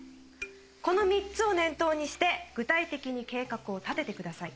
この３つを念頭にして具体的に計画を立ててください。